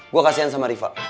gue kasihan sama riva